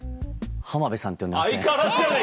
浜辺さんって呼んでますね。